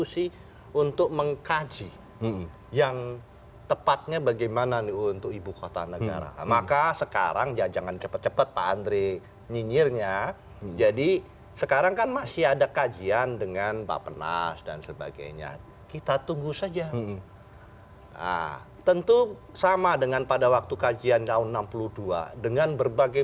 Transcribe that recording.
saya tahu tujuan presiden baik ya